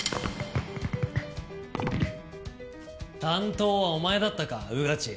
担当はお前だったか穿地。